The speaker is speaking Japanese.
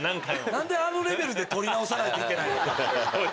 何であのレベルで録り直さないといけないのか。